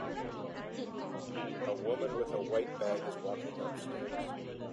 A woman with a white bag is walking upstairs